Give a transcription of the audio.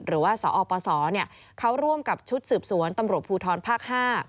หรือว่าสอปศเขาร่วมกับชุดสืบสวนตำรวจภูทรภาค๕